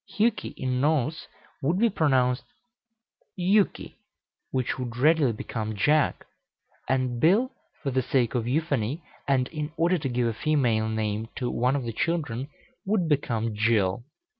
Hjuki, in Norse, would be pronounced Juki, which would readily become Jack; and Bil, for the sake of euphony, and in order to give a female name to one of the children, would become Jill.